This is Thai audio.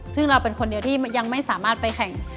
ซึ่งเราเป็นคนเดียวที่ยังไม่สามารถไปแข่ง